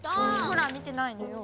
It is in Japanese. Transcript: ほら見てないのよ。